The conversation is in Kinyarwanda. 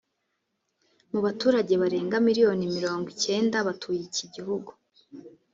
Mu baturage barenga miliyoni mirongo icyenda batuye iki gihugu